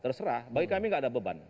terserah bagi kami tidak ada beban